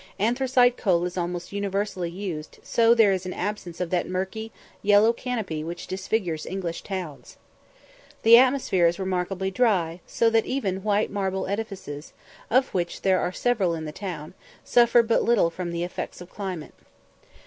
Anthracite coal is almost universally used, so there is an absence of that murky, yellow canopy which disfigures English towns. The atmosphere is remarkably dry, so that even white marble edifices, of which there are several in the town, suffer but little from the effects of climate.